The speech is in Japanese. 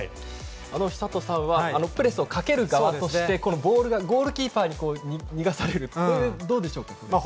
寿人さんはプレスをかける側としてボールがゴールキーパーに逃がされる、これどうでしょうか？